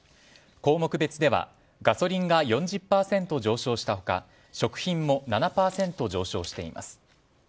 項目別ではガソリンが４０％上昇した他食品も７％上昇しています。